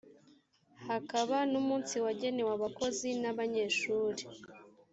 hakaba n’umunsi wagenewe abakozi n’abanyeshuri